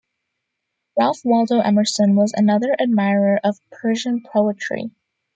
Ralph Waldo Emerson was another admirer of Persian poetry.